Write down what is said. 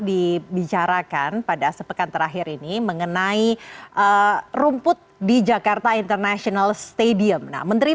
dibicarakan pada sepekan terakhir ini mengenai rumput di jakarta international stadium nah menteri